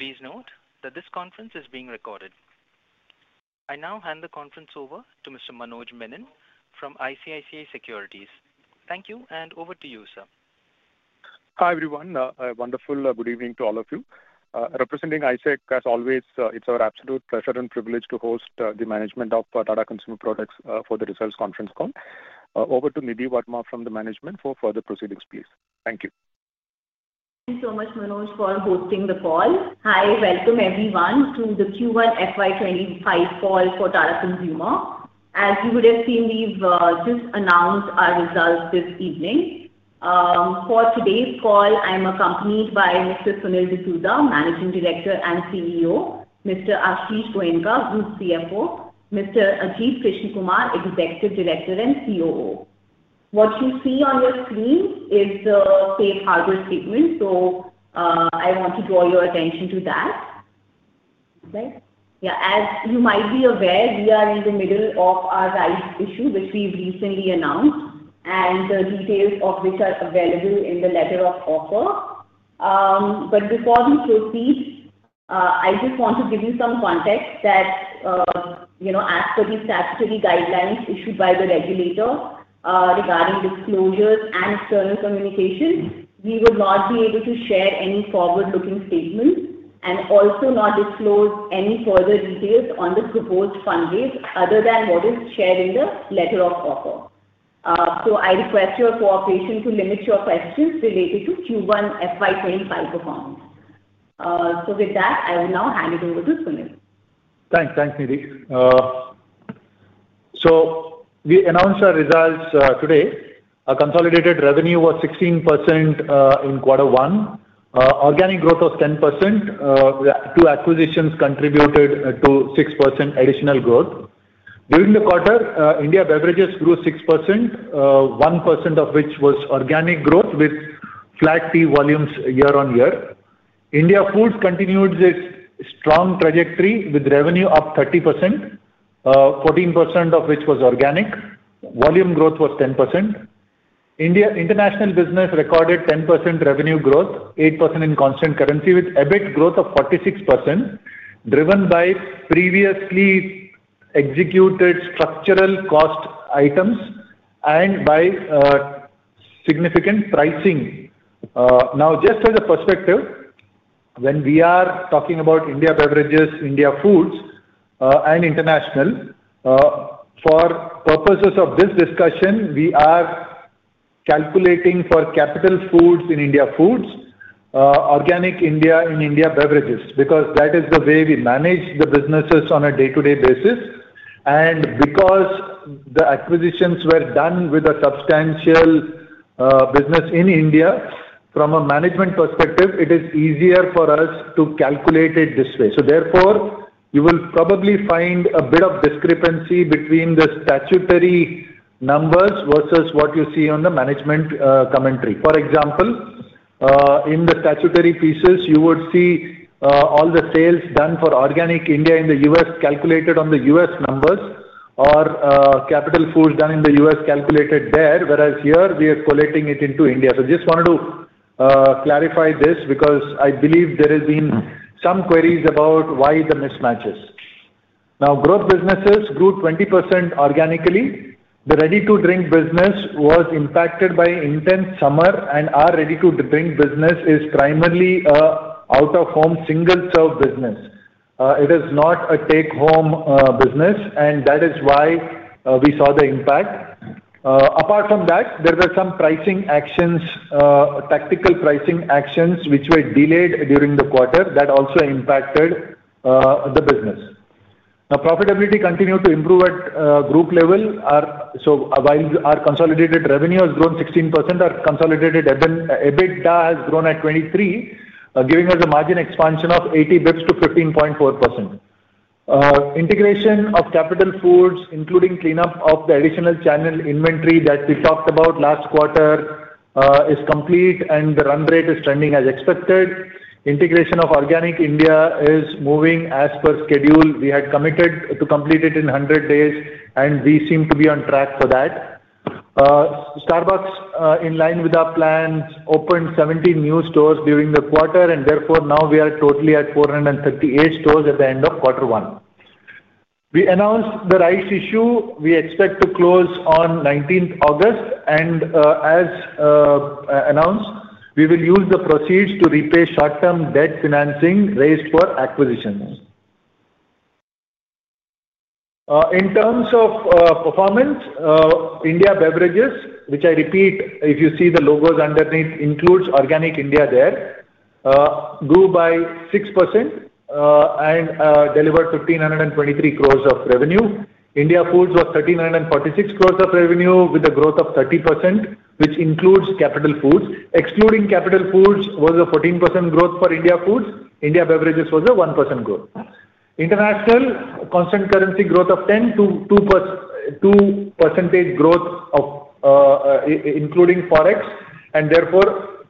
Please note that this conference is being recorded. I now hand the conference over to Mr. Manoj Menon from ICICI Securities. Thank you, and over to you, sir. Hi, everyone. A wonderful good evening to all of you. Representing ICICI Securities, as always, it's our absolute pleasure and privilege to host the management of Tata Consumer Products for the Results Conference Call. Over to Nidhi Verma from the management for further proceedings, please. Thank you. Thank you so much, Manoj, for hosting the call. Hi, welcome everyone to the Q1 FY 2025 call for Tata Consumer. As you would have seen, we've just announced our results this evening. For today's call, I'm accompanied by Mr. Sunil D'Souza, Managing Director and CEO, Mr. Ashish Goenka, Group CFO, Mr. Ajit Krishnakumar, Executive Director and COO. What you see on your screen is the safe harbor statement, so I want to draw your attention to that. Yeah, as you might be aware, we are in the middle of a rights issue, which we've recently announced, and the details of which are available in the letter of offer. Before we proceed, I just want to give you some context that, as per the statutory guidelines issued by the regulator regarding disclosures and external communications, we will not be able to share any forward-looking statements and also not disclose any further details on the proposed fundraise other than what is shared in the letter of offer. I request your cooperation to limit your questions related to Q1 FY 2025 performance. With that, I will now hand it over to Sunil. Thanks, Nidhi. So we announced our results today. Our consolidated revenue was 16% in quarter one. Organic growth was 10%. Two acquisitions contributed to 6% additional growth. During the quarter, India Beverages grew 6%, 1% of which was organic growth with flat tea volumes year-on-year. India Foods continued its strong trajectory with revenue up 30%, 14% of which was organic. Volume growth was 10%. International business recorded 10% revenue growth, 8% in constant currency, with EBIT growth of 46%, driven by previously executed structural cost items and by significant pricing. Now, just as a perspective, when we are talking about India Beverages, India Foods, and international, for purposes of this discussion, we are calculating for Capital Foods in India Foods, Organic India in India Beverages, because that is the way we manage the businesses on a day-to-day basis. Because the acquisitions were done with a substantial business in India, from a management perspective, it is easier for us to calculate it this way. So therefore, you will probably find a bit of discrepancy between the statutory numbers versus what you see on the management commentary. For example, in the statutory pieces, you would see all the sales done for Organic India in the U.S. calculated on the U.S. numbers, or Capital Foods done in the U.S. calculated there, whereas here we are collating it into India. So I just wanted to clarify this because I believe there have been some queries about why the mismatches. Now, growth businesses grew 20% organically. The ready-to-drink business was impacted by intense summer, and our ready-to-drink business is primarily an out-of-home single-serve business. It is not a take-home business, and that is why we saw the impact. Apart from that, there were some tactical pricing actions which were delayed during the quarter that also impacted the business. Now, profitability continued to improve at group level. So while our consolidated revenue has grown 16%, our consolidated EBITDA has grown at 23%, giving us a margin expansion of 80 bps to 15.4%. Integration of Capital Foods, including cleanup of the additional channel inventory that we talked about last quarter, is complete, and the run rate is trending as expected. Integration of Organic India is moving as per schedule. We had committed to complete it in 100 days, and we seem to be on track for that. Starbucks, in line with our plans, opened 17 new stores during the quarter, and therefore now we are totally at 438 stores at the end of quarter one. We announced the rights issue. We expect to close on 19th August, and as announced, we will use the proceeds to repay short-term debt financing raised for acquisitions. In terms of performance, India Beverages, which I repeat, if you see the logos underneath, includes Organic India there, grew by 6% and delivered 1,523 crores of revenue. India Foods was 1,346 crores of revenue with a growth of 30%, which includes Capital Foods. Excluding Capital Foods was a 14% growth for India Foods. India Beverages was a 1% growth. International constant currency growth of 10%-12% growth, including forex, and therefore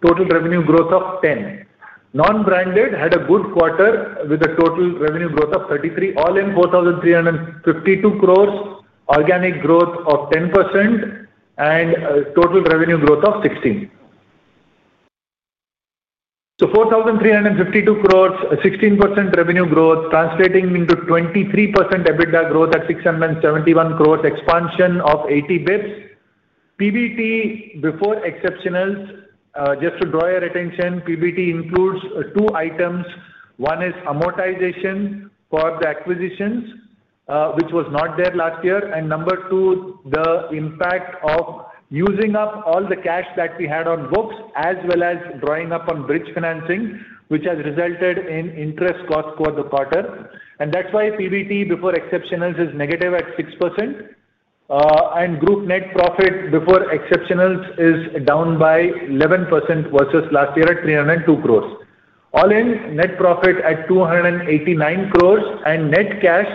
total revenue growth of 10%. Non-Branded had a good quarter with a total revenue growth of 33%, all in 4,352 crores, organic growth of 10%, and total revenue growth of 16%. So 4,352 crores, 16% revenue growth, translating into 23% EBITDA growth at 671 crores, expansion of 80 basis points. PBT before exceptionals, just to draw your attention, PBT includes two items. One is amortization for the acquisitions, which was not there last year. And number two, the impact of using up all the cash that we had on books, as well as drawing up on bridge financing, which has resulted in interest costs for the quarter. And that's why PBT before exceptionals is negative at 6%, and group net profit before exceptionals is down by 11% versus last year at 302 crore. All in, net profit at 289 crore and net cash.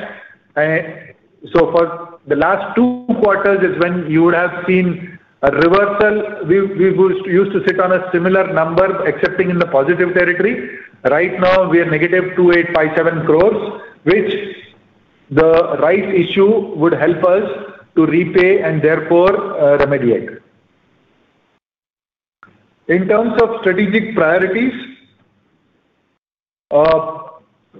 So for the last two quarters, it's when you would have seen a reversal. We used to sit on a similar number, excepting in the positive territory. Right now, we are negative 2,857 crore, which the rights issue would help us to repay and therefore remediate. In terms of strategic priorities,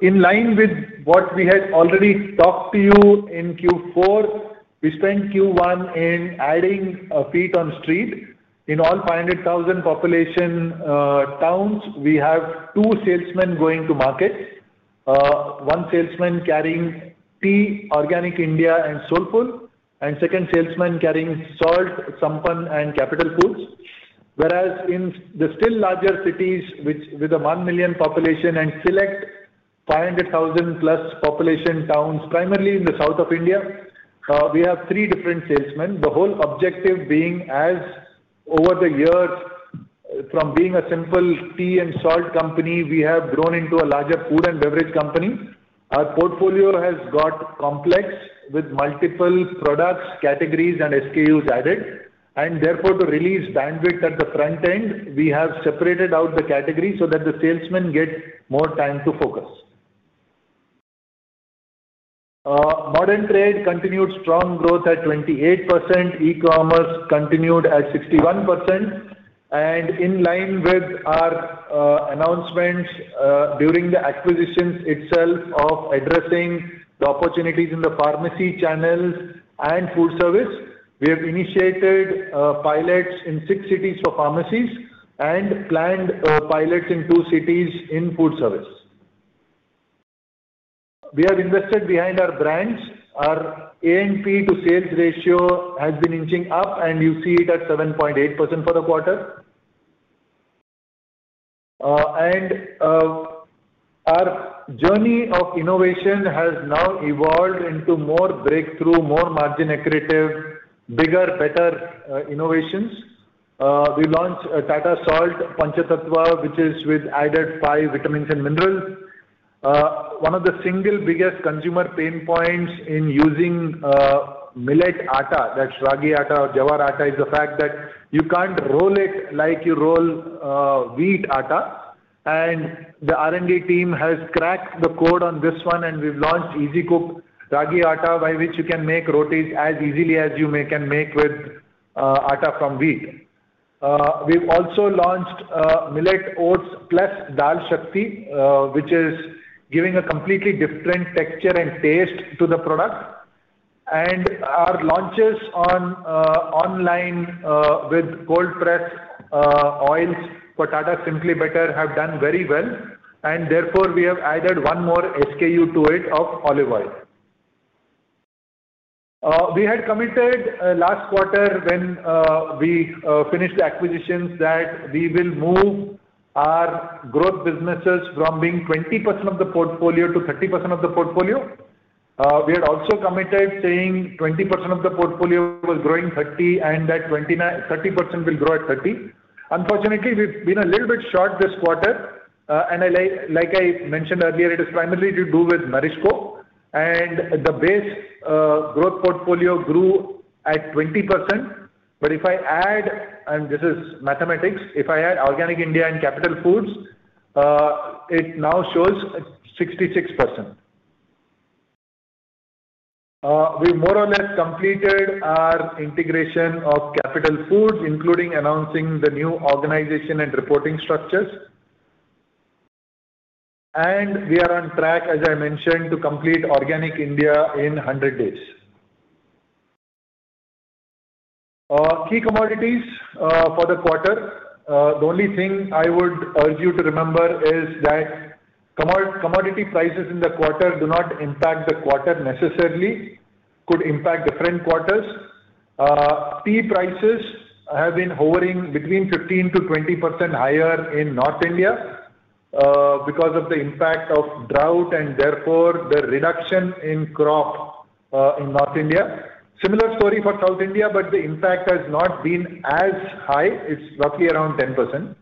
in line with what we had already talked to you in Q4, we spent Q1 in adding feet on the street. In all 500,000 population towns, we have two salesmen going to market, one salesman carrying tea, Organic India, and Soulfull, and second salesman carrying salt, Sampann, and Capital Foods. Whereas in the still larger cities, which with a 1 million population and select 500,000+ population towns, primarily in the south of India, we have three different salesmen. The whole objective being, as over the years, from being a simple tea and salt company, we have grown into a larger food and beverage company. Our portfolio has got complex with multiple products, categories, and SKUs added. Therefore, to release bandwidth at the front end, we have separated out the categories so that the salesmen get more time to focus. Modern trade continued strong growth at 28%. E-commerce continued at 61%. In line with our announcements during the acquisitions itself of addressing the opportunities in the pharmacy channels and food service, we have initiated pilots in six cities for pharmacies and planned pilots in two cities in food service. We have invested behind our brands. Our A&P to sales ratio has been inching up, and you see it at 7.8% for the quarter. Our journey of innovation has now evolved into more breakthrough, more margin-accretive, bigger, better innovations. We launched Tata Salt Panchtatva, which is with added five vitamins and minerals. One of the single biggest consumer pain points in using millet atta that's ragi atta or jowar atta is the fact that you can't roll it like you roll wheat atta and. The R&D team has cracked the code on this one, and we've launched Easy Cook Ragi Atta, by which you can make rotis as easily as you can make with atta from wheat. We've also launched Millet Oats Plus Dal Shakti, which is giving a completely different texture and taste to the product. Our launches online with cold-pressed oils for Tata Simply Better have done very well. Therefore, we have added one more SKU to it of olive oil. We had committed last quarter when we finished the acquisitions that we will move our growth businesses from being 20% of the portfolio to 30% of the portfolio. We had also committed saying 20% of the portfolio was growing 30%, and that 30% will grow at 30%. Unfortunately, we've been a little bit short this quarter. Like I mentioned earlier, it is primarily to do with NourishCo. The base growth portfolio grew at 20%. But if I add, and this is mathematics, if I add Organic India and Capital Foods, it now shows 66%. We more or less completed our integration of Capital Foods, including announcing the new organization and reporting structures. And we are on track, as I mentioned, to complete Organic India in 100 days. Key commodities for the quarter. The only thing I would urge you to remember is that commodity prices in the quarter do not impact the quarter necessarily, could impact different quarters. Tea prices have been hovering between 15%-20% higher in North India because of the impact of drought and therefore the reduction in crop in North India. Similar story for South India, but the impact has not been as high. It's roughly around 10%.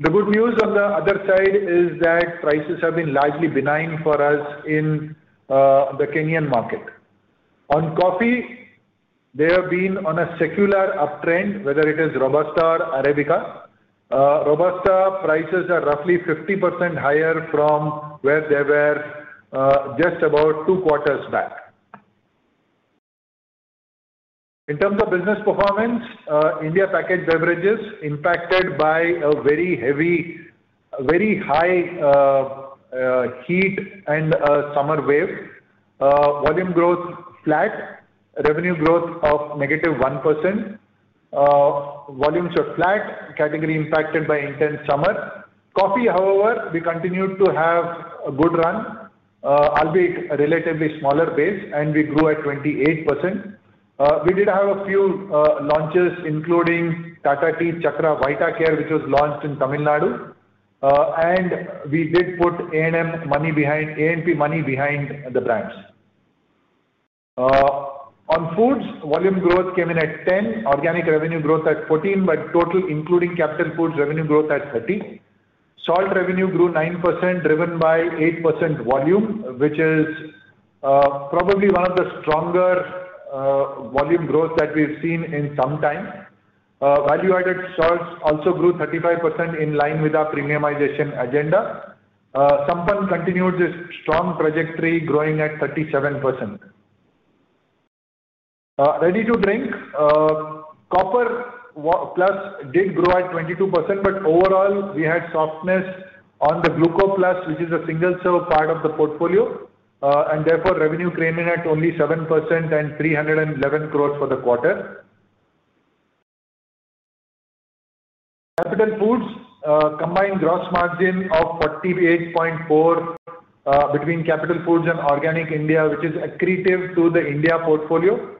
The good news on the other side is that prices have been largely benign for us in the Kenyan market. On coffee, they have been on a secular uptrend, whether it is Robusta or Arabica. Robusta prices are roughly 50% higher from where they were just about two quarters back. In terms of business performance, India packaged beverages impacted by a very heavy, very high heat and summer wave. Volume growth flat, revenue growth of negative 1%. Volumes are flat, category impacted by intense summer. Coffee, however, we continued to have a good run, albeit relatively smaller base, and we grew at 28%. We did have a few launches, including Tata Tea Chakra Gold Care, which was launched in Tamil Nadu. We did put A&M money behind, A&P money behind the brands. On foods, volume growth came in at 10%, organic revenue growth at 14%, but total, including Capital Foods, revenue growth at 30%. Salt revenue grew 9%, driven by 8% volume, which is probably one of the stronger volume growth that we've seen in some time. Value-added salts also grew 35% in line with our premiumization agenda. Sampann continued this strong trajectory, growing at 37%. Ready-to-drink, Copper+ did grow at 22%, but overall, we had softness on the Gluco+, which is a single-serve part of the portfolio. And therefore, revenue came in at only 7% and 311 crores for the quarter. Capital Foods, combined gross margin of 48.4% between Capital Foods and Organic India, which is accretive to the India portfolio.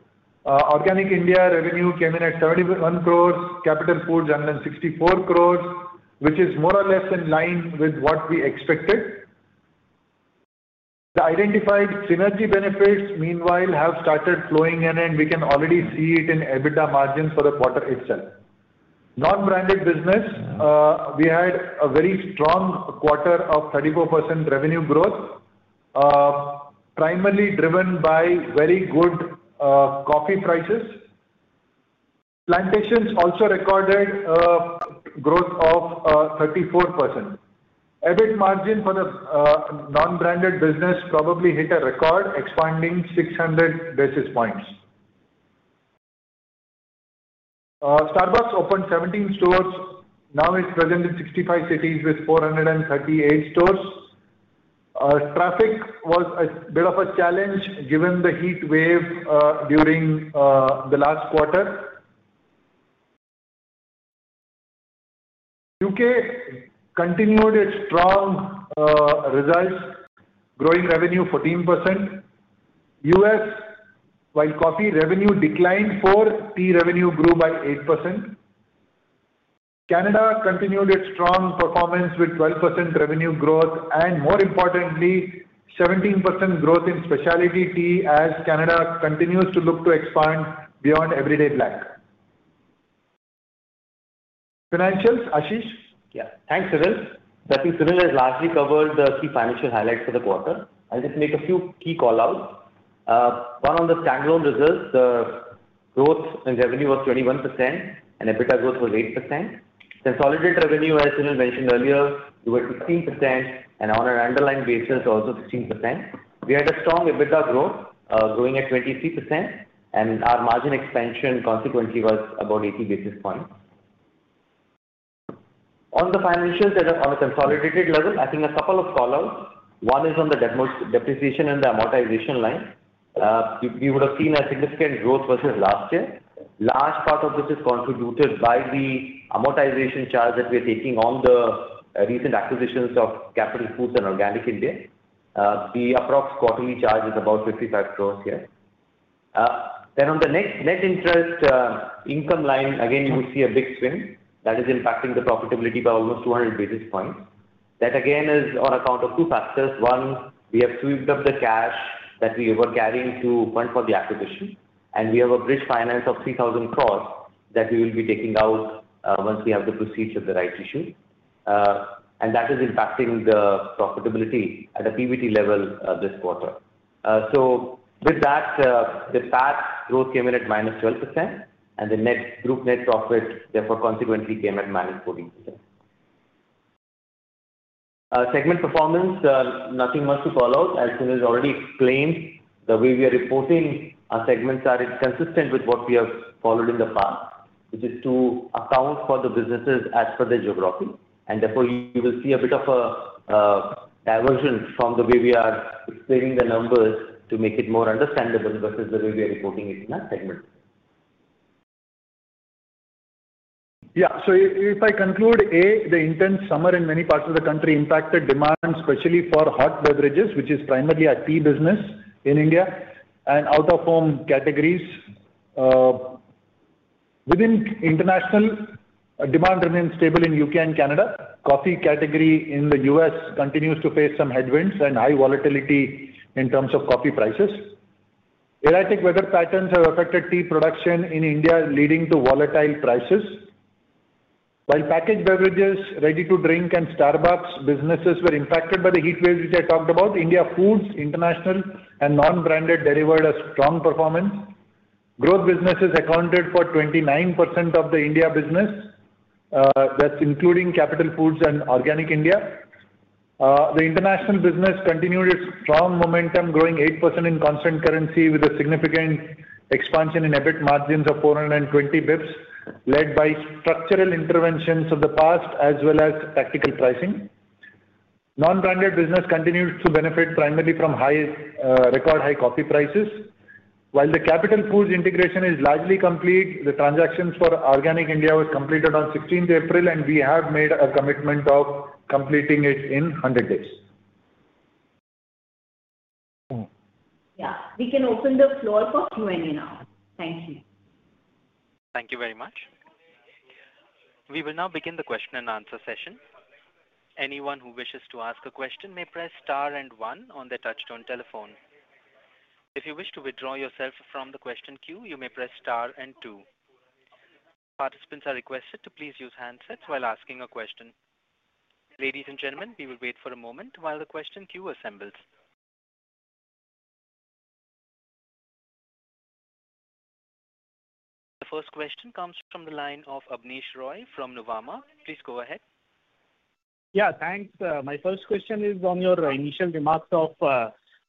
Organic India revenue came in at 71 crores, Capital Foods under 64 crores, which is more or less in line with what we expected. The identified synergy benefits, meanwhile, have started flowing in, and we can already see it in EBITDA margins for the quarter itself. Non-branded business, we had a very strong quarter of 34% revenue growth, primarily driven by very good coffee prices. Plantations also recorded growth of 34%. EBIT margin for the non-branded business probably hit a record, expanding 600 basis points. Starbucks opened 17 stores. Now it's present in 65 cities with 438 stores. Traffic was a bit of a challenge given the heat wave during the last quarter. U.K. continued its strong results, growing revenue 14%. U.S., while coffee revenue declined for tea revenue, grew by 8%. Canada continued its strong performance with 12% revenue growth and, more importantly, 17% growth in specialty tea as Canada continues to look to expand beyond everyday black. Financials, Ashish? Yeah. Thanks, Sunil. I think Sunil has largely covered the key financial highlights for the quarter. I'll just make a few key call-outs. One on the standalone results, the growth in revenue was 21% and EBITDA growth was 8%. Consolidated revenue, as Sunil mentioned earlier, grew at 16% and on an underlying basis, also 16%. We had a strong EBITDA growth, growing at 23%, and our margin expansion consequently was about 80 basis points. On the financials on a consolidated level, I think a couple of call-outs. One is on the depreciation and the amortization line. We would have seen a significant growth versus last year. Large part of this is contributed by the amortization charge that we are taking on the recent acquisitions of Capital Foods and Organic India. The approximate quarterly charge is about 55 crore here. Then on the net interest income line, again, you would see a big swing that is impacting the profitability by almost 200 basis points. That again is on account of two factors. One, we have swept up the cash that we were carrying to fund for the acquisition, and we have a bridge finance of 3,000 crore that we will be taking out once we have the proceeds of the rights issue. And that is impacting the profitability at a PBT level this quarter. So with that, the PAT growth came in at -12%, and the net group net profit, therefore, consequently came at -14%. Segment performance, nothing much to call out. As Sunil has already explained, the way we are reporting our segments are consistent with what we have followed in the past, which is to account for the businesses as per their geography. And therefore, you will see a bit of a diversion from the way we are explaining the numbers to make it more understandable versus the way we are reporting it in our segments. Yeah. So if I conclude, A, the intense summer in many parts of the country impacted demand, especially for hot beverages, which is primarily a tea business in India, and out-of-home categories. Within international, demand remains stable in U.K. and Canada. Coffee category in the U.S. continues to face some headwinds and high volatility in terms of coffee prices. Erratic weather patterns have affected tea production in India, leading to volatile prices. While packaged beverages, ready-to-drink, and Starbucks businesses were impacted by the heat waves which I talked about, India Foods, International and non-branded delivered a strong performance. Growth businesses accounted for 29% of the India business, that's including Capital Foods and Organic India. The international business continued its strong momentum, growing 8% in constant currency with a significant expansion in EBIT margins of 420 basis points, led by structural interventions of the past as well as tactical pricing. Non-branded business continued to benefit primarily from record high coffee prices. While the Capital Foods integration is largely complete, the transactions for Organic India were completed on 16th April, and we have made a commitment of completing it in 100 days. Yeah. We can open the floor for Q&A now. Thank you. Thank you very much. We will now begin the question and answer session. Anyone who wishes to ask a question may press star and one on their touch-tone telephone. If you wish to withdraw yourself from the question queue, you may press star and two. Participants are requested to please use handsets while asking a question. Ladies and gentlemen, we will wait for a moment while the question queue assembles. The first question comes from the line of Abneesh Roy from Nuvama. Please go ahead. Yeah. Thanks. My first question is on your initial remarks of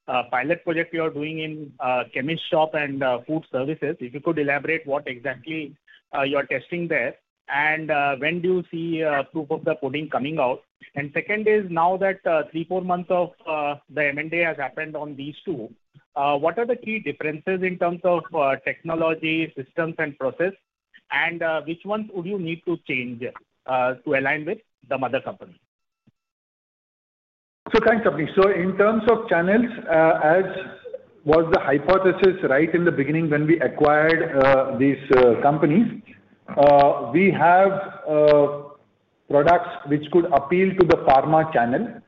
pilot project you are doing in chemist shop and food service. If you could elaborate what exactly you are testing there and when do you see proof of the pudding coming out. Second is now that three, four months of the M&A has happened on these two, what are the key differences in terms of technology, systems, and process, and which ones would you need to change to align with the mother company? So thanks, Abneesh. So in terms of channels, as was the hypothesis right in the beginning when we acquired these companies, we have products which could appeal to the pharma channel,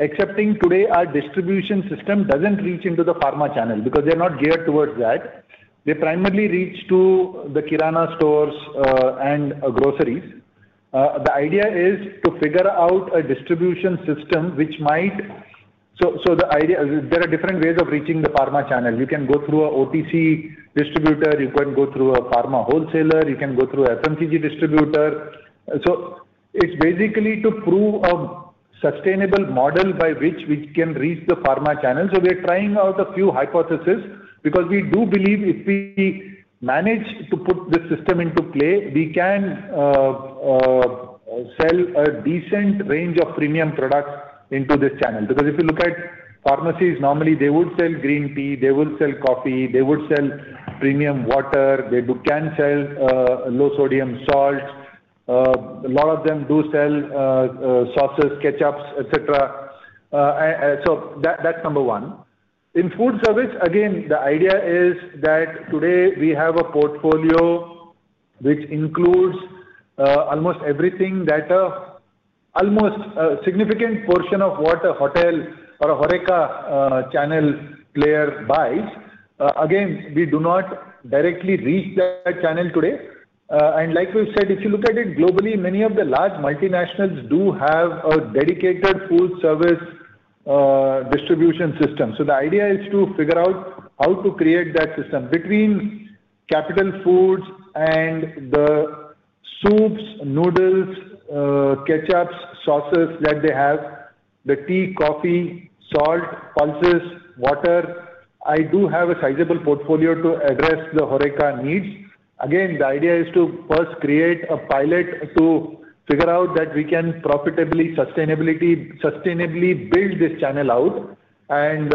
excepting today our distribution system doesn't reach into the pharma channel because they're not geared towards that. They primarily reach to the kirana stores and groceries. The idea is to figure out a distribution system which might. So there are different ways of reaching the pharma channel. You can go through an OTC distributor, you can go through a pharma wholesaler, you can go through an FMCG distributor. So it's basically to prove a sustainable model by which we can reach the pharma channel. So we are trying out a few hypotheses because we do believe if we manage to put this system into play, we can sell a decent range of premium products into this channel. Because if you look at pharmacies, normally they would sell green tea, they would sell coffee, they would sell premium water, they can sell low-sodium salts. A lot of them do sell sauces, ketchups, etc. So that's number one. In food service, again, the idea is that today we have a portfolio which includes almost everything that a significant portion of what a hotel or a HoReCa channel player buys. Again, we do not directly reach that channel today. And like we've said, if you look at it globally, many of the large multinationals do have a dedicated food service distribution system. So the idea is to figure out how to create that system between Capital Foods and the soups, noodles, ketchups, sauces that they have, the tea, coffee, salt, pulses, water. I do have a sizable portfolio to address the HoReCa needs. Again, the idea is to first create a pilot to figure out that we can profitably sustainably build this channel out. And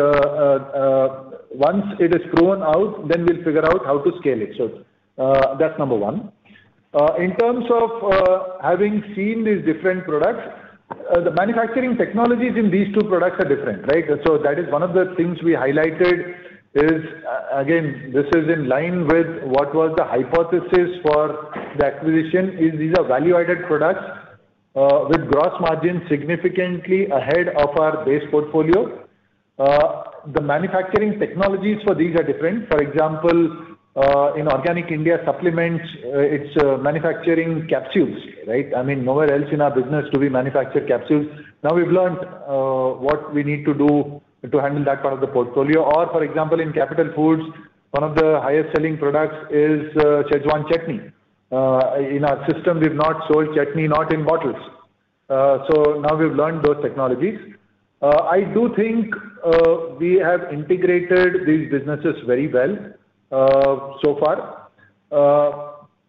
once it is thrown out, then we'll figure out how to scale it. So that's number one. In terms of having seen these different products, the manufacturing technologies in these two products are different, right? So that is one of the things we highlighted is, again, this is in line with what was the hypothesis for the acquisition, is these are value-added products with gross margin significantly ahead of our base portfolio. The manufacturing technologies for these are different. For example, in Organic India supplements, it's manufacturing capsules, right? I mean, nowhere else in our business do we manufacture capsules. Now we've learned what we need to do to handle that part of the portfolio. Or, for example, in Capital Foods, one of the highest-selling products is Schezwan Chutney. In our system, we've not sold chutney, not in bottles. So now we've learned those technologies. I do think we have integrated these businesses very well so far.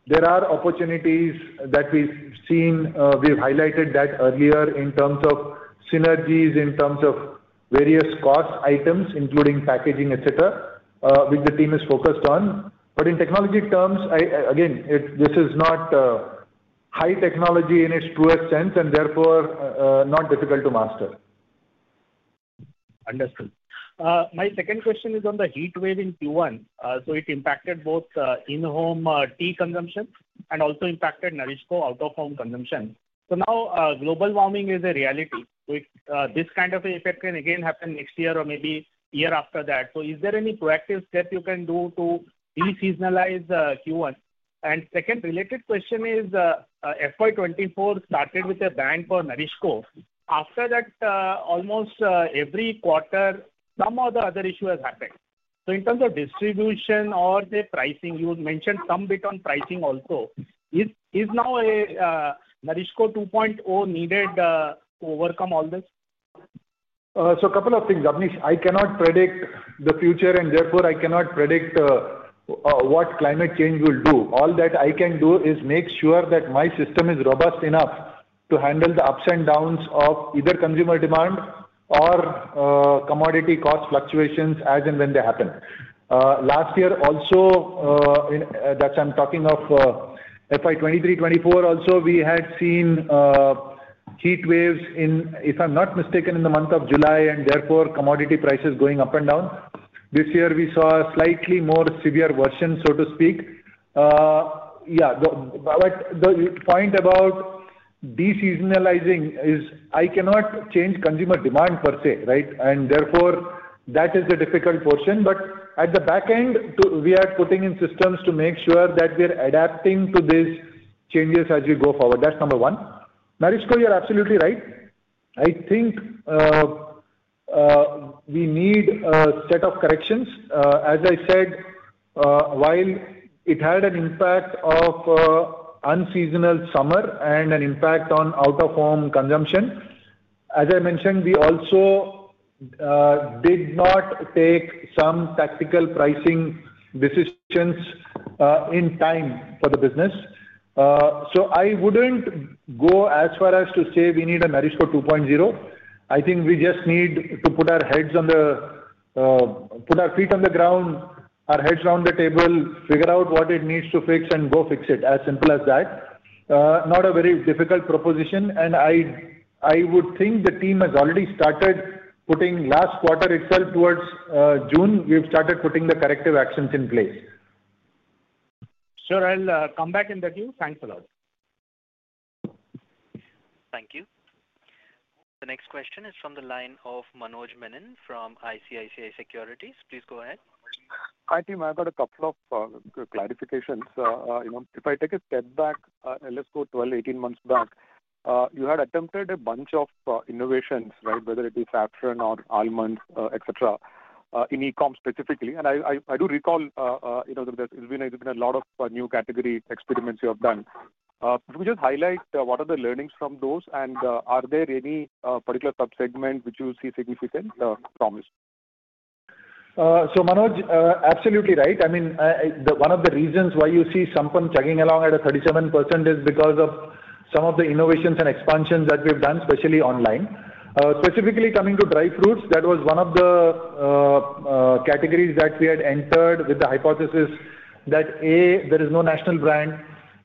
There are opportunities that we've seen. We've highlighted that earlier in terms of synergies, in terms of various cost items, including packaging, etc., which the team is focused on. But in technology terms, again, this is not high technology in its truest sense and therefore not difficult to master. Understood. My second question is on the heat wave in Q1. So it impacted both in-home tea consumption and also impacted NourishCo out-of-home consumption. So now global warming is a reality. This kind of effect can again happen next year or maybe a year after that. So is there any proactive step you can do to de-seasonalize Q1? Second related question is FY 2024 started with a ban for NourishCo. After that, almost every quarter, some other issue has happened. So in terms of distribution or the pricing, you mentioned some bit on pricing also. Is now NourishCo 2.0 needed to overcome all this? So a couple of things. Abneesh, I cannot predict the future, and therefore I cannot predict what climate change will do. All that I can do is make sure that my system is robust enough to handle the ups and downs of either consumer demand or commodity cost fluctuations as and when they happen. Last year also, that's I'm talking of FY 2023, 2024, also we had seen heat waves in, if I'm not mistaken, in the month of July and therefore commodity prices going up and down. This year we saw a slightly more severe version, so to speak. Yeah. But the point about de-seasonalizing is I cannot change consumer demand per se, right? And therefore that is the difficult portion. But at the back end, we are putting in systems to make sure that we are adapting to these changes as we go forward. That's number one. NourishCo, you're absolutely right. I think we need a set of corrections. As I said, while it had an impact of unseasonal summer and an impact on out-of-home consumption, as I mentioned, we also did not take some tactical pricing decisions in time for the business. So I wouldn't go as far as to say we need a NourishCo 2.0. I think we just need to put our feet on the ground, our heads around the table, figure out what it needs to fix and go fix it. As simple as that. Not a very difficult proposition. I would think the team has already started putting last quarter itself towards June, we've started putting the corrective actions in place. Sure. I'll come back in the queue. Thanks a lot. Thank you. The next question is from the line of Manoj Menon from ICICI Securities. Please go ahead. Hi, team. I've got a couple of clarifications. If I take a step back, let's go 12-18 months back, you had attempted a bunch of innovations, right? Whether it be Saffron or Almond, etc., in e-comm specifically. And I do recall there's been a lot of new category experiments you have done. If we just highlight what are the learnings from those, and are there any particular subsegments which you see significant promise? So Manoj, absolutely right. I mean, one of the reasons why you see something chugging along at a 37% is because of some of the innovations and expansions that we've done, especially online. Specifically coming to dry fruits, that was one of the categories that we had entered with the hypothesis that, A, there is no national brand,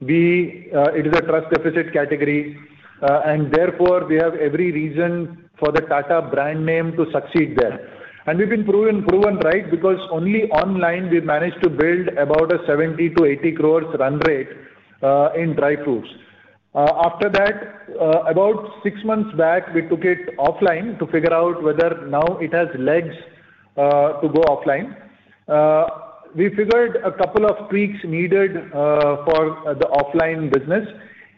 B, it is a trust deficit category, and therefore we have every reason for the Tata brand name to succeed there. And we've been proven right because only online we've managed to build about a 70-80 crores run rate in dry fruits. After that, about six months back, we took it offline to figure out whether now it has legs to go offline. We figured a couple of tweaks needed for the offline business.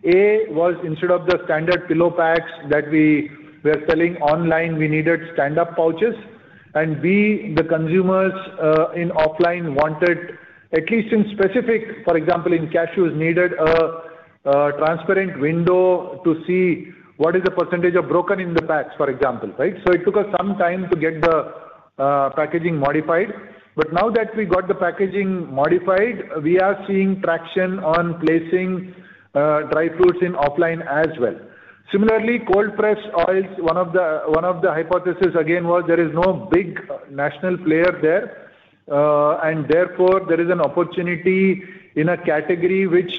A, was instead of the standard pillow packs that we were selling online, we needed stand-up pouches. And B, the consumers in offline wanted, at least in specific, for example, in cashews, needed a transparent window to see what is the percentage of broken in the packs, for example, right? So it took us some time to get the packaging modified. But now that we got the packaging modified, we are seeing traction on placing dry fruits in offline as well. Similarly, cold-pressed oils, one of the hypotheses again was there is no big national player there, and therefore there is an opportunity in a category which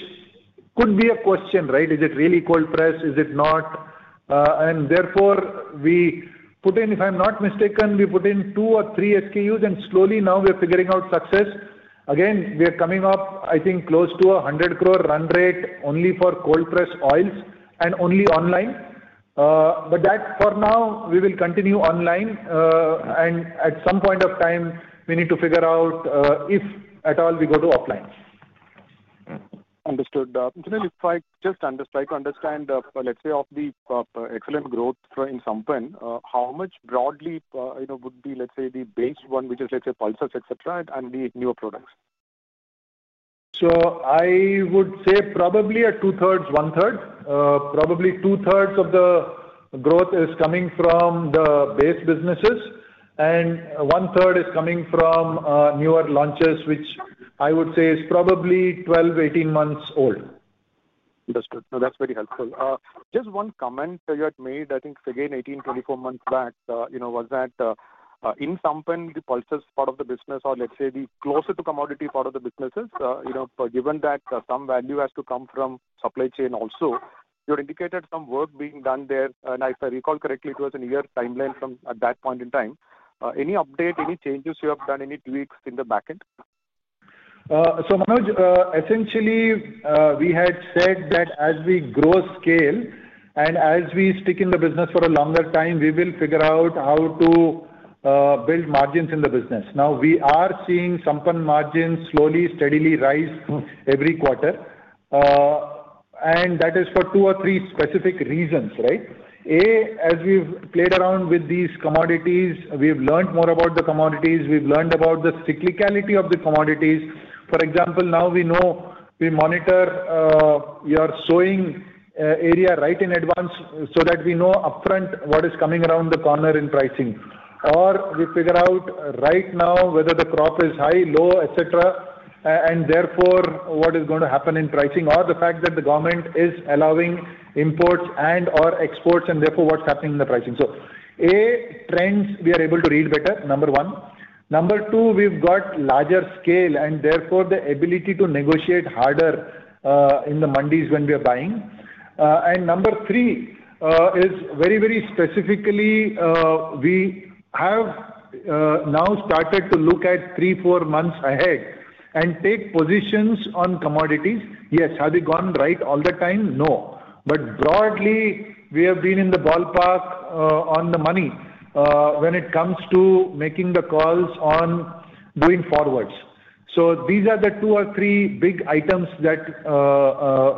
could be a question, right? Is it really cold-pressed? Is it not? And therefore we put in, if I'm not mistaken, we put in two or three SKUs, and slowly now we're figuring out success. Again, we are coming up, I think, close to 100 crore run rate only for cold-pressed oils and only online. But that, for now, we will continue online. And at some point of time, we need to figure out if at all we go to offline. Understood. Generally, if I just understood, I could understand, let's say, of the excellent growth in Sampann, how much broadly would be, let's say, the base one, which is, let's say, pulses, etc., and the newer products? So I would say probably a two-thirds/one-third. Probably two-thirds of the growth is coming from the base businesses, and one-third is coming from newer launches, which I would say is probably 12-18 months old. Understood. So that's very helpful. Just one comment you had made, I think, again, 18, 24 months back, was that in Sampann, the pulses part of the business or, let's say, the closer-to-commodity part of the businesses, given that some value has to come from supply chain also, you had indicated some work being done there. And if I recall correctly, it was a year timeline from that point in time. Any update, any changes you have done, any tweaks in the backend? So Manoj, essentially, we had said that as we grow scale and as we stick in the business for a longer time, we will figure out how to build margins in the business. Now we are seeing Sampann margins slowly, steadily rise every quarter. And that is for two or three specific reasons, right? A, as we've played around with these commodities, we've learned more about the commodities. We've learned about the cyclicality of the commodities. For example, now we know we monitor your sowing area right in advance so that we know upfront what is coming around the corner in pricing. Or we figure out right now whether the crop is high, low, etc., and therefore what is going to happen in pricing or the fact that the government is allowing imports and/or exports and therefore what's happening in the pricing. So A, trends we are able to read better, number one. Number two, we've got larger scale and therefore the ability to negotiate harder in the mandis when we are buying. And number three is very, very specifically, we have now started to look at 3-4 months ahead and take positions on commodities. Yes, have we gone right all the time? No. But broadly, we have been in the ballpark on the money when it comes to making the calls on going forwards. So these are the two or three big items that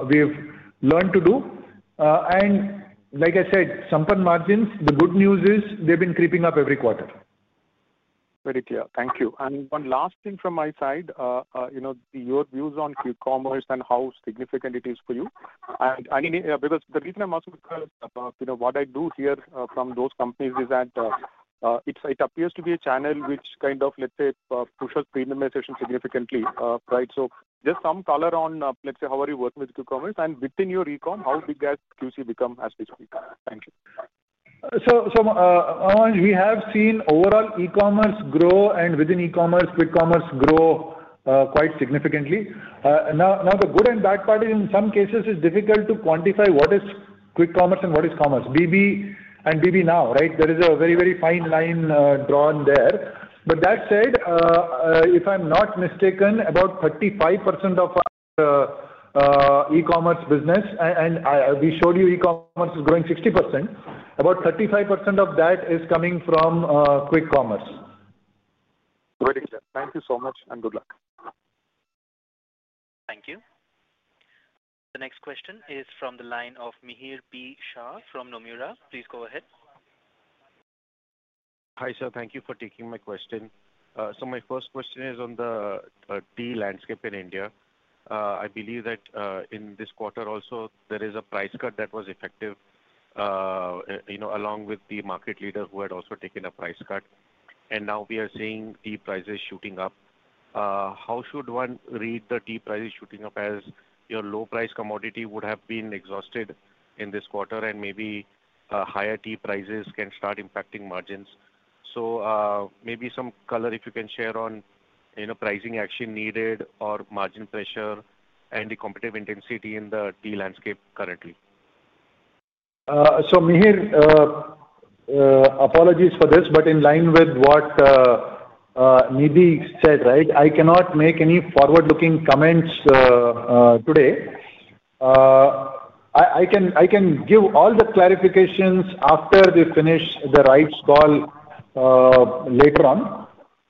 we've learned to do. And like I said, Sampann margins, the good news is they've been creeping up every quarter. Very clear. Thank you. And one last thing from my side, your views on Q-commerce and how significant it is for you. And because the reason I'm asking about what I do here from those companies is that it appears to be a channel which kind of, let's say, pushes premiumization significantly, right? So just some color on, let's say, how are you working with Q-commerce and within your e-commerce, how big has QC become as we speak? Thank you. So Manoj, we have seen overall e-commerce grow and within e-commerce, Q-commerce grow quite significantly. Now the good and bad part is in some cases it's difficult to quantify what is QCommerce and what is commerce. BB and BB Now, right? There is a very, very fine line drawn there. But that said, if I'm not mistaken, about 35% of our e-commerce business, and we showed you e-commerce is growing 60%, about 35% of that is coming from QCommerce. Very clear. Thank you so much and good luck. Thank you. The next question is from the line of Mihir P. Shah from Nomura. Please go ahead. Hi sir, thank you for taking my question. So my first question is on the tea landscape in India. I believe that in this quarter also, there is a price cut that was effective along with the market leader who had also taken a price cut. And now we are seeing tea prices shooting up. How should one read the tea prices shooting up as your low-price commodity would have been exhausted in this quarter and maybe higher tea prices can start impacting margins? So maybe some color if you can share on pricing action needed or margin pressure and the competitive intensity in the tea landscape currently. So Mihir, apologies for this, but in line with what Nidhi said, right, I cannot make any forward-looking comments today. I can give all the clarifications after we finish the Rights Call later on.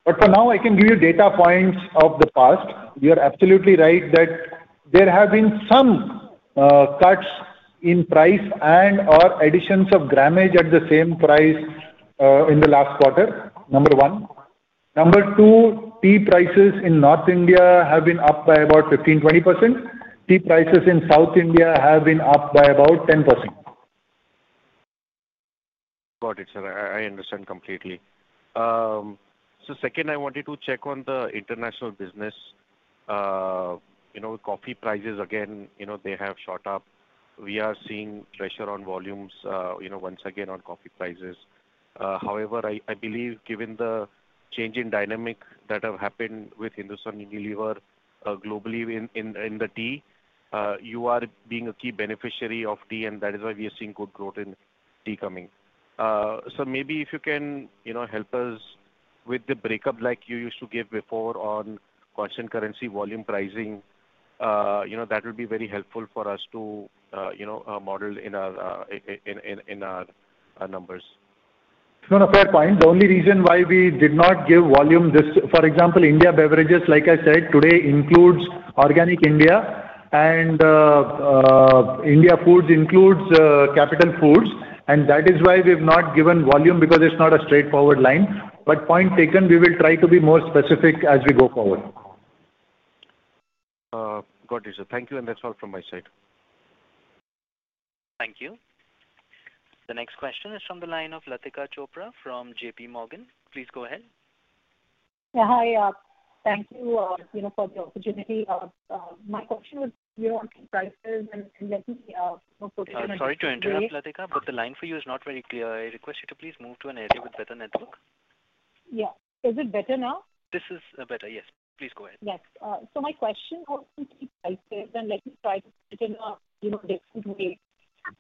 But for now, I can give you data points of the past. You're absolutely right that there have been some cuts in price and/or additions of gramage at the same price in the last quarter, number one. Number two, tea prices in North India have been up by about 15%-20%. Tea prices in South India have been up by about 10%. Got it, sir. I understand completely. So second, I wanted to check on the international business. Coffee prices, again, they have shot up. We are seeing pressure on volumes once again on coffee prices. However, I believe given the change in dynamic that have happened with Hindustan Unilever globally in the tea, you are being a key beneficiary of tea, and that is why we are seeing good growth in tea coming. So maybe if you can help us with the breakup like you used to give before on constant currency volume pricing, that would be very helpful for us to model in our numbers. Fair point. The only reason why we did not give volume this, for example, India Beverages, like I said, today includes Organic India and India Foods includes Capital Foods. And that is why we have not given volume because it's not a straightforward line. But point taken, we will try to be more specific as we go forward. Got it, sir. Thank you. And that's all from my side. Thank you. The next question is from the line of Latika Chopra from J.P. Morgan. Please go ahead. Yeah, hi. Thank you for the opportunity. My question was your prices and let me put in. Sorry to interrupt, Latika, but the line for you is not very clear. I request you to please move to an area with better network. Yeah. Is it better now? This is better. Yes. Please go ahead. Yes. So my question was tea prices, and let me try to put it in a different way.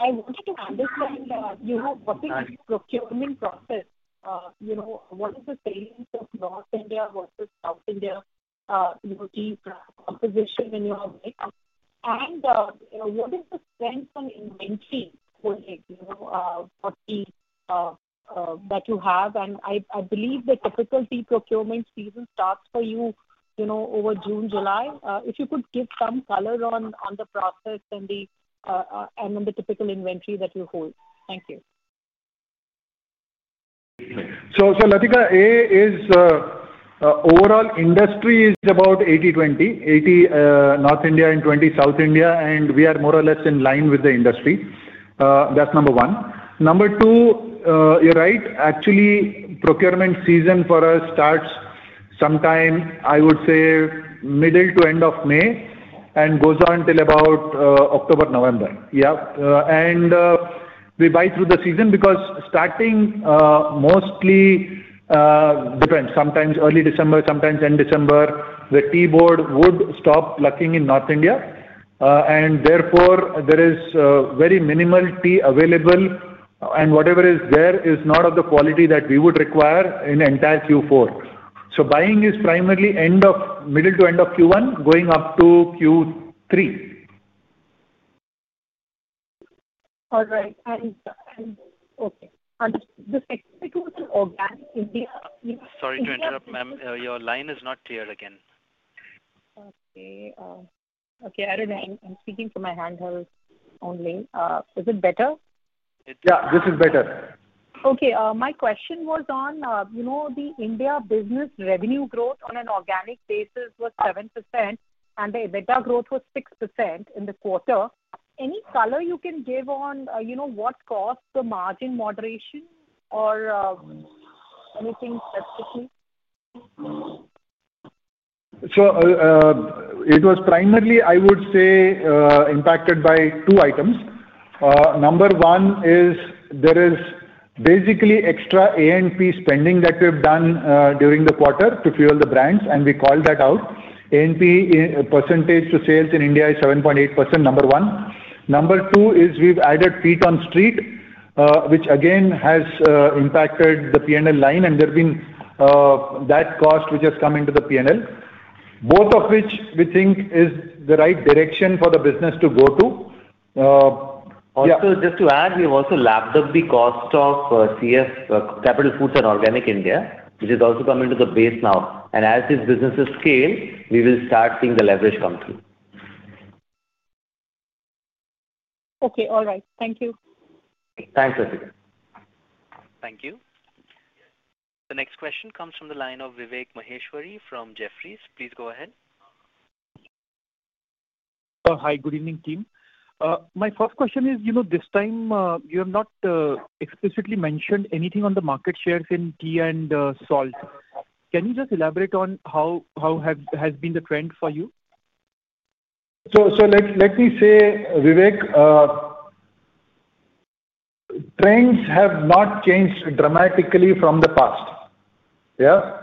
I wanted to understand what is the procurement process? What is the salience of North India versus South India tea composition in your mind? And what is the strength on inventory holding for tea that you have? And I believe the typical tea procurement season starts for you over June, July. If you could give some color on the process and the typical inventory that you hold. Thank you. So Latika, A, overall industry is about 80/20, 80 North India and 20 South India, and we are more or less in line with the industry. That's number one. Number two, you're right. Actually, procurement season for us starts sometime, I would say, middle to end of May and goes on till about October, November. Yeah. And we buy through the season because starting mostly depends. Sometimes early December, sometimes end December, the tea board would stop auctioning in North India. And therefore, there is very minimal tea available, and whatever is there is not of the quality that we would require in the entire Q4. So buying is primarily middle to end of Q1, going up to Q3. All right. And okay. Then specifically Organic India. Sorry to interrupt, ma'am. Your line is not clear again. Okay. Okay. I don't know. I'm speaking from my handheld only. Is it better? Yeah, this is better. Okay. My question was on the India business revenue growth on an organic basis was 7%, and the EBITDA growth was 6% in the quarter. Any color you can give on what caused the margin moderation or anything specifically? So it was primarily, I would say, impacted by two items. Number one is there is basically extra A&P spending that we have done during the quarter to fuel the brands, and we called that out. A&P percentage to sales in India is 7.8%, number one. Number two is we've added feet on street, which again has impacted the P&L line, and there have been that cost which has come into the P&L. Both of which we think is the right direction for the business to go to. Also, just to add, we've also lapped up the cost of Capital Foods and Organic India, which has also come into the base now. And as these businesses scale, we will start seeing the leverage come through. Okay. All right. Thank you. Thanks, Latika. Thank you. The next question comes from the line of Vivek Maheshwari from Jefferies. Please go ahead. Hi, good evening, team. My first question is this time you have not explicitly mentioned anything on the market shares in tea and salt. Can you just elaborate on how has been the trend for you? So let me say, Vivek, trends have not changed dramatically from the past. Yeah.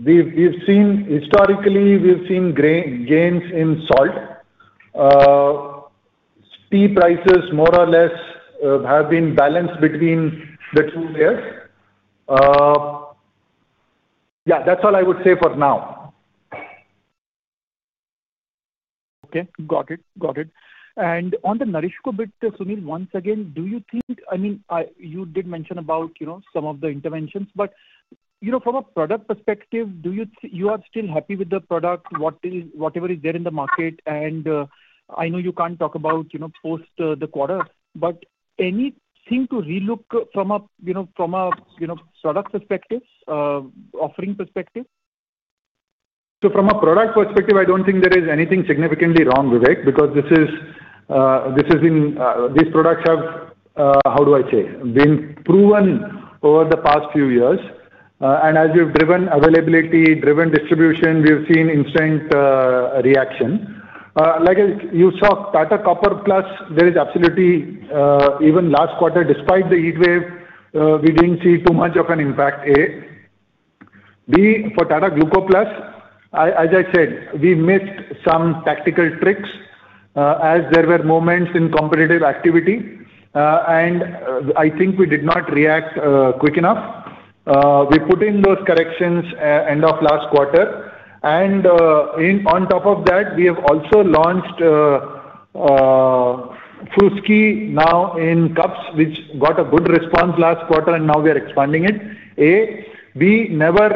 Historically, we've seen gains in salt. Tea prices more or less have been balanced between the two years. Yeah, that's all I would say for now. Okay. Got it. Got it. And on the NourishCo bit, Sunil, once again, do you think I mean, you did mention about some of the interventions, but from a product perspective, you are still happy with the product, whatever is there in the market? And I know you can't talk about post the quarter, but anything to relook from a product perspective, offering perspective? So from a product perspective, I don't think there is anything significantly wrong, Vivek, because these products have, how do I say, been proven over the past few years. And as we've driven availability, driven distribution, we've seen instant reaction. Like you saw, Tata Copper+, there is absolutely even last quarter, despite the heat wave, we didn't see too much of an impact. Say Never, for Tata Gluco+, as I said, we missed some tactical tricks as there were moments in competitive activity, and I think we did not react quick enough. We put in those corrections end of last quarter. And on top of that, we have also launched Tata Fruski now in cups, which got a good response last quarter, and now we are expanding it. Say Never,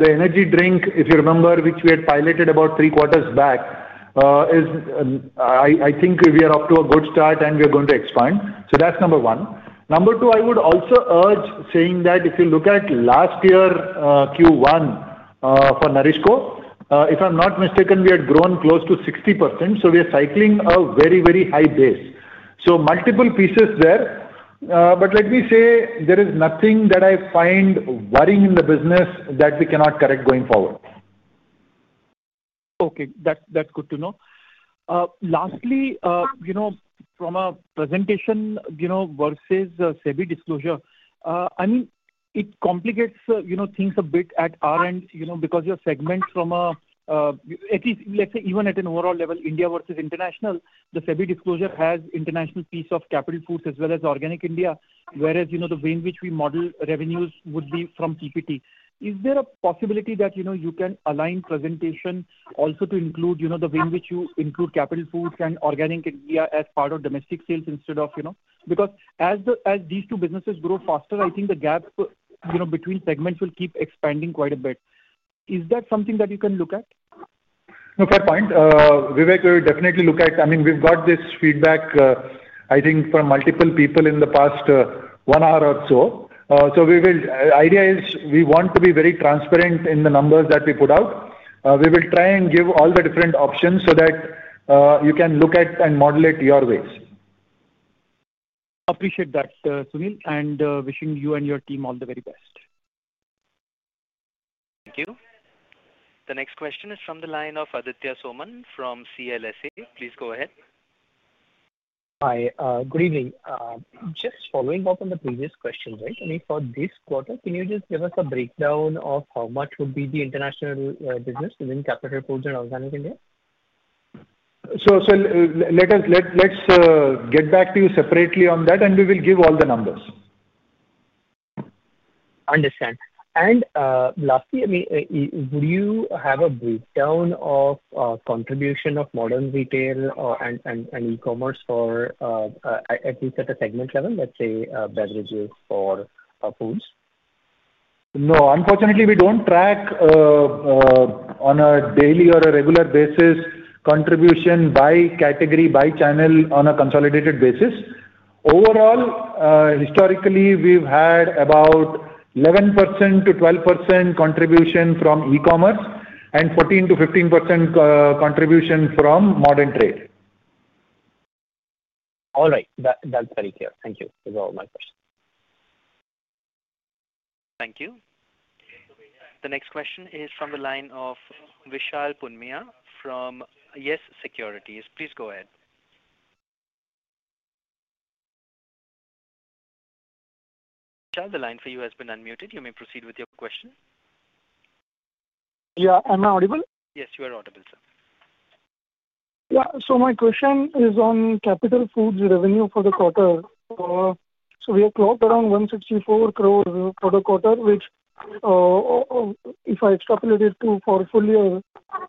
the energy drink, if you remember, which we had piloted about three quarters back, I think we are off to a good start, and we are going to expand. So that's number one. Number two, I would also urge saying that if you look at last year Q1 for NourishCo, if I'm not mistaken, we had grown close to 60%. So we are cycling a very, very high base. So multiple pieces there. But let me say there is nothing that I find worrying in the business that we cannot correct going forward. Okay. That's good to know. Lastly, from a presentation versus SEBI disclosure, I mean, it complicates things a bit at our end because your segment from a, let's say, even at an overall level, India versus international, the SEBI disclosure has international piece of Capital Foods as well as Organic India, whereas the way in which we model revenues would be from PPT. Is there a possibility that you can align presentation also to include the way in which you include Capital Foods and Organic India as part of domestic sales instead of because as these two businesses grow faster, I think the gap between segments will keep expanding quite a bit. Is that something that you can look at? Fair point. Vivek, we'll definitely look at. I mean, we've got this feedback, I think, from multiple people in the past one hour or so. So the idea is we want to be very transparent in the numbers that we put out. We will try and give all the different options so that you can look at and model it your ways. Appreciate that, Sunil, and wishing you and your team all the very best. Thank you. The next question is from the line of Aditya Soman from CLSA. Please go ahead. Hi. Good evening. Just following up on the previous question, right? I mean, for this quarter, can you just give us a breakdown of how much would be the international business within Capital Foods and Organic India? So let's get back to you separately on that, and we will give all the numbers. Understand. And lastly, I mean, would you have a breakdown of contribution of modern retail and e-commerce for at least at a segment level, let's say beverages for foods? No, unfortunately, we don't track on a daily or a regular basis contribution by category, by channel on a consolidated basis. Overall, historically, we've had about 11%-12% contribution from e-commerce and 14%-15% contribution from modern trade. All right. That's very clear. Thank you. Those are all my questions. Thank you. The next question is from the line of Vishal Punmiya from YES Securities. Please go ahead. Vishal, the line for you has been unmuted. You may proceed with your question. Yeah. Am I audible? Yes, you are audible, sir. Yeah. So my question is on Capital Foods revenue for the quarter. So we have clocked around 164 crores for the quarter, which if I extrapolate it for full year,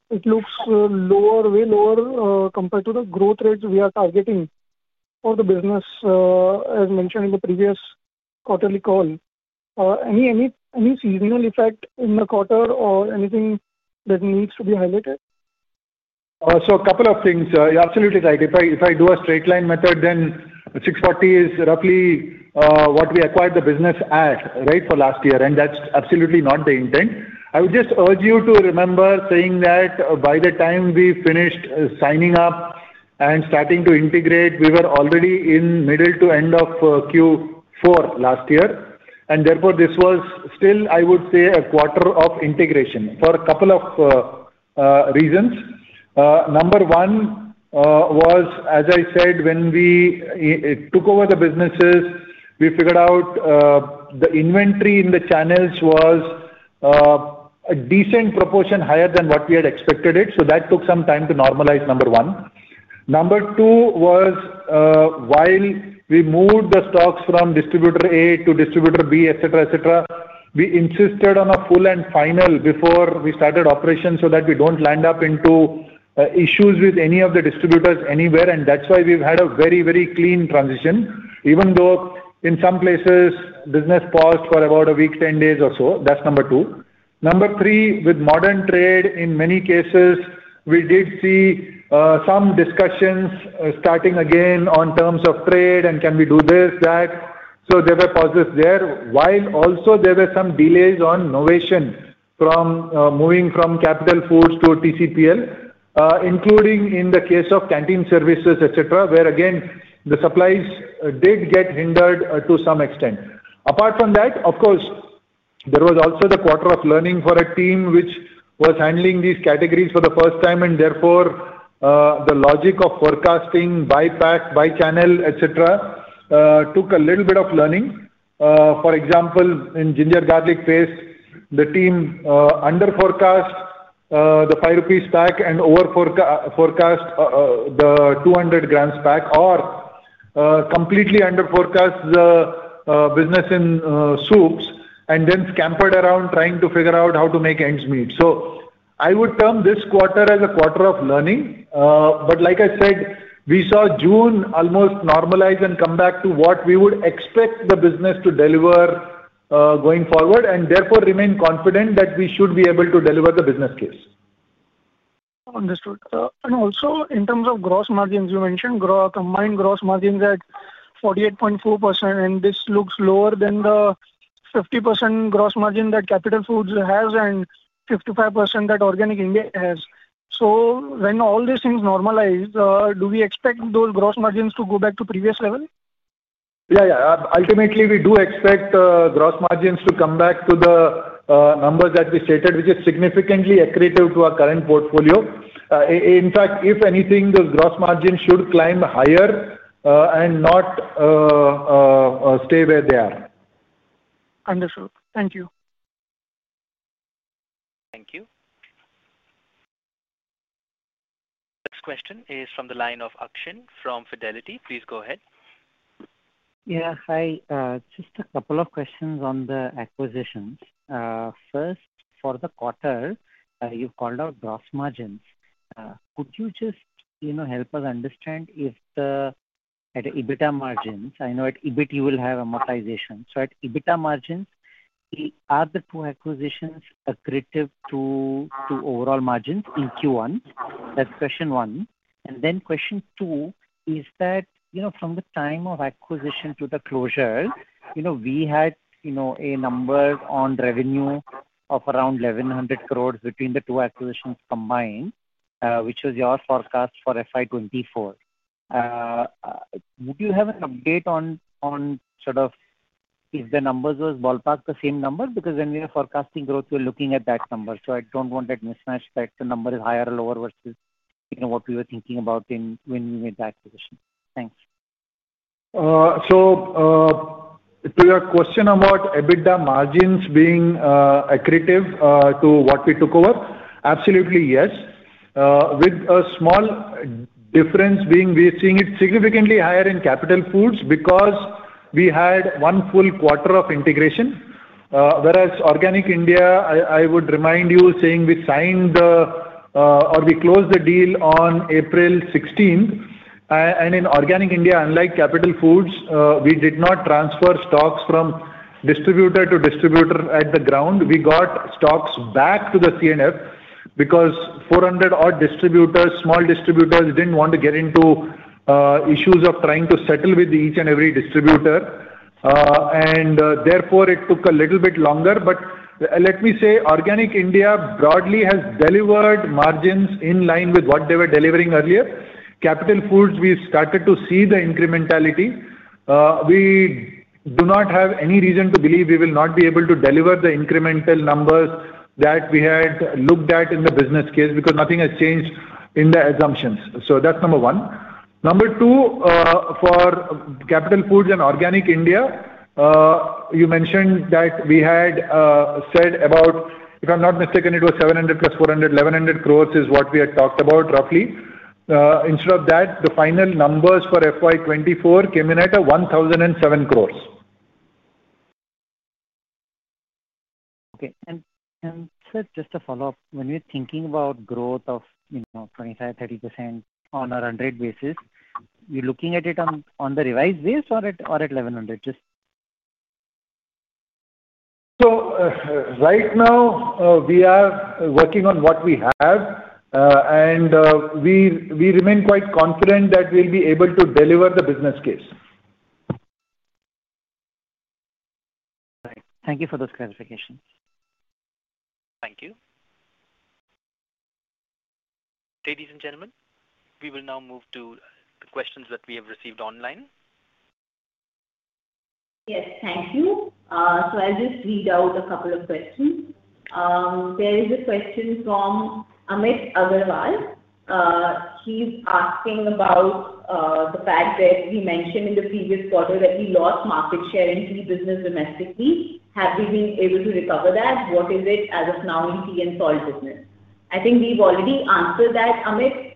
it looks way lower compared to the growth rates we are targeting for the business, as mentioned in the previous quarterly call. Any seasonal effect in the quarter or anything that needs to be highlighted? So a couple of things. You're absolutely right. If I do a straight line method, then 640 crore is roughly what we acquired the business at, right, for last year. And that's absolutely not the intent. I would just urge you to remember saying that by the time we finished signing up and starting to integrate, we were already in middle to end of Q4 last year. Therefore, this was still, I would say, a quarter of integration for a couple of reasons. Number one was, as I said, when we took over the businesses, we figured out the inventory in the channels was a decent proportion higher than what we had expected it. So that took some time to normalize, number one. Number two was while we moved the stocks from distributor A to distributor B, etc., etc., we insisted on a full and final before we started operations so that we don't land up into issues with any of the distributors anywhere. And that's why we've had a very, very clean transition, even though in some places, business paused for about a week, 10 days or so. That's number 2. Number 3, with modern trade, in many cases, we did see some discussions starting again on terms of trade and can we do this, that. So there were pauses there. While also, there were some delays on innovation moving from Capital Foods to TCPL, including in the case of canteen services, etc., where again, the supplies did get hindered to some extent. Apart from that, of course, there was also the quarter of learning for a team which was handling these categories for the first time. And therefore, the logic of forecasting, bypass, by channel, etc., took a little bit of learning. For example, in ginger garlic paste, the team under forecast the ₹5 pack and over forecast the 200 grams pack or completely under forecast the business in soups and then scampered around trying to figure out how to make ends meet. So I would term this quarter as a quarter of learning. But like I said, we saw June almost normalize and come back to what we would expect the business to deliver going forward and therefore remain confident that we should be able to deliver the business case. Understood. And also, in terms of gross margins, you mentioned combined gross margins at 48.4%, and this looks lower than the 50% gross margin that Capital Foods has and 55% that Organic India has. So when all these things normalize, do we expect those gross margins to go back to previous level? Yeah. Yeah. Ultimately, we do expect gross margins to come back to the numbers that we stated, which is significantly accretive to our current portfolio. In fact, if anything, those gross margins should climb higher and not stay where they are. Understood. Thank you. Thank you. Next question is from the line of Akshay from Fidelity. Please go ahead. Yeah. Hi. Just a couple of questions on the acquisitions. First, for the quarter, you've called out gross margins. Could you just help us understand if the EBITDA margins I know at EBIT, you will have amortization. So at EBITDA margins, are the two acquisitions accretive to overall margins in Q1? That's question one. And then question two is that from the time of acquisition to the closure, we had a number on revenue of around 1,100 crore between the two acquisitions combined, which was your forecast for FY 2024. Would you have an update on sort of if the numbers was ballpark the same number? Because when we are forecasting growth, we're looking at that number. So I don't want to mismatch that the number is higher or lower versus what we were thinking about when we made the acquisition. Thanks. So to your question about EBITDA margins being accretive to what we took over, absolutely, yes. With a small difference being we're seeing it significantly higher in Capital Foods because we had one full quarter of integration. Whereas Organic India, I would remind you saying we signed or we closed the deal on April 16th. And in Organic India, unlike Capital Foods, we did not transfer stocks from distributor to distributor at the ground. We got stocks back to the C&F because 400-odd distributors, small distributors didn't want to get into issues of trying to settle with each and every distributor. And therefore, it took a little bit longer. But let me say Organic India broadly has delivered margins in line with what they were delivering earlier. Capital Foods, we've started to see the incrementality. We do not have any reason to believe we will not be able to deliver the incremental numbers that we had looked at in the business case because nothing has changed in the assumptions. So that's number one. Number two, for Capital Foods and Organic India, you mentioned that we had said about if I'm not mistaken, it was 700 + 400, 1,100 crore is what we had talked about roughly. Instead of that, the final numbers for FY 2024 came in at 1,007 crore. Okay. Sir, just to follow up, when you're thinking about growth of 25%-30% on a 100 basis, you're looking at it on the revised base or at 1,100? Right now, we are working on what we have, and we remain quite confident that we'll be able to deliver the business case. All right. Thank you for those clarifications. Thank you. Ladies and gentlemen, we will now move to the questions that we have received online. Yes. Thank you. So I'll just read out a couple of questions. There is a question from Amit Agarwal. He's asking about the fact that we mentioned in the previous quarter that we lost market share in tea business domestically. Have we been able to recover that? What is it as of now in tea and salt business? I think we've already answered that, Amit.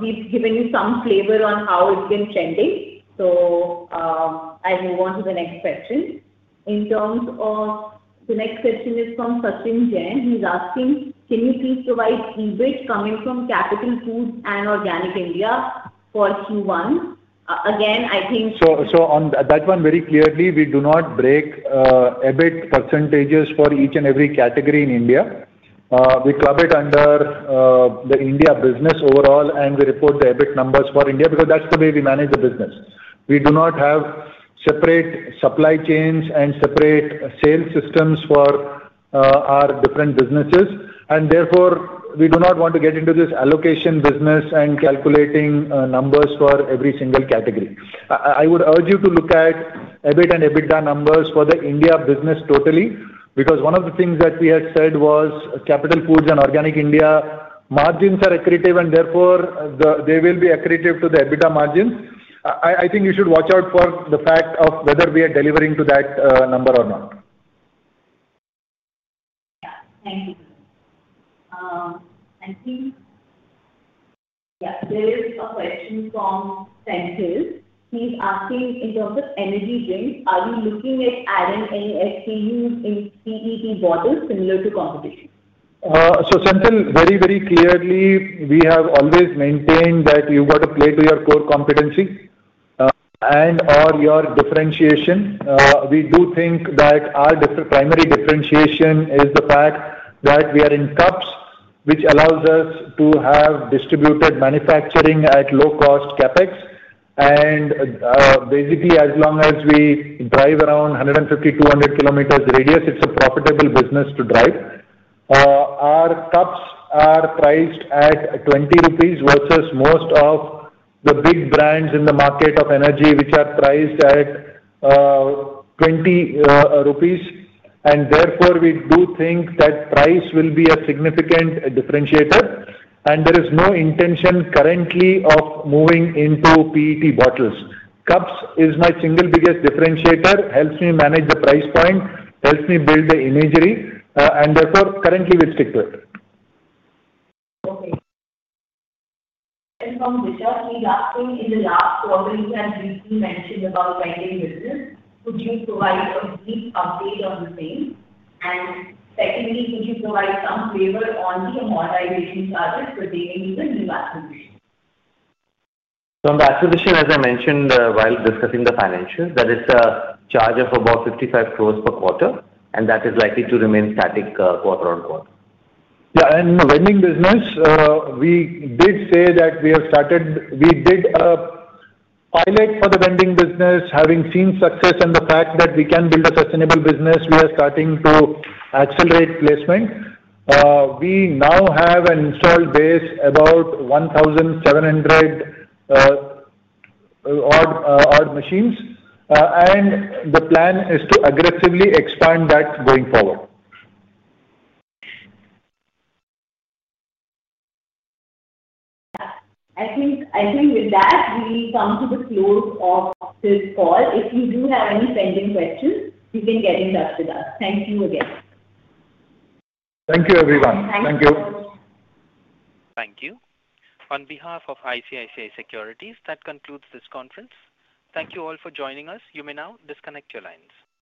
We've given you some flavor on how it's been trending. So I'll move on to the next question. In terms of, the next question is from Sachin Jain. He's asking, can you please provide EBIT coming from Capital Foods and Organic India for Q1? Again, I think. So on that one, very clearly, we do not break EBIT percentages for each and every category in India. We club it under the India business overall, and we report the EBIT numbers for India because that's the way we manage the business. We do not have separate supply chains and separate sales systems for our different businesses. And therefore, we do not want to get into this allocation business and calculating numbers for every single category. I would urge you to look at EBIT and EBITDA numbers for the India business totally because one of the things that we had said was Capital Foods and Organic India margins are accretive, and therefore, they will be accretive to the EBITDA margins. I think you should watch out for the fact of whether we are delivering to that number or not. Yeah. Thank you. I think, yeah, there is a question from Senthil. He's asking, in terms of energy drinks, are you looking at adding any SKUs in PET bottles similar to competition? So Senthil, very, very clearly, we have always maintained that you've got to play to your core competency and/or your differentiation. We do think that our primary differentiation is the fact that we are in cups, which allows us to have distributed manufacturing at low-cost CapEx. Basically, as long as we drive around 150-200 km radius, it's a profitable business to drive. Our cups are priced at 20 rupees versus most of the big brands in the market of energy, which are priced at 20 rupees. Therefore, we do think that price will be a significant differentiator. There is no intention currently of moving into PET bottles. Cups is my single biggest differentiator, helps me manage the price point, helps me build the imagery. Therefore, currently, we stick to it. Okay. From Vishal, he's asking, in the last quarter, you had briefly mentioned about vending business. Could you provide a brief update on the same? Secondly, could you provide some flavor on the amortization charges pertaining to the new acquisition? So on the acquisition, as I mentioned while discussing the financials, that is a charge of about 55 crore per quarter, and that is likely to remain static quarter on quarter. Yeah. And in the vending business, we did say that we have started we did a pilot for the vending business. Having seen success and the fact that we can build a sustainable business, we are starting to accelerate placement. We now have an installed base about 1,700-odd machines, and the plan is to aggressively expand that going forward. Yeah. I think with that, we come to the close of this call. If you do have any pending questions, you can get in touch with us. Thank you again. Thank you, everyone. Thank you. Thank you. Thank you. On behalf of ICICI Securities, that concludes this conference. Thank you all for joining us. You may now disconnect your lines.